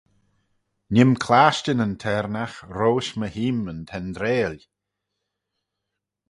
Nee'm clashtyn yn taarnagh roish my heeym yn tendreil.